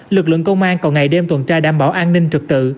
lực lượng công an còn ngày đêm tuần tra đảm bảo an ninh trực tự